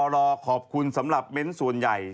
รอขอบคุณสำหรับเบ้นส่วนใหญ่